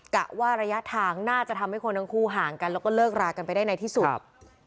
กะว่าระยะทางน่าจะทำให้คนทั้งคู่ห่างกันแล้วก็เลิกรากันไปได้ในที่สุด